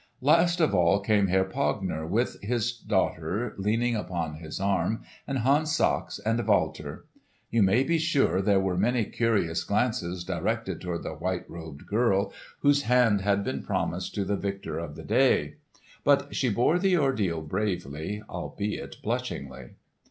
Last of all came Herr Pogner, with his daughter leaning upon his arm, and Hans Sachs and Walter. You may be sure there were many curious glances directed toward the white robed girl whose hand had been promised to the victor of the day, but she bore the ordeal bravely, albeit blushingly.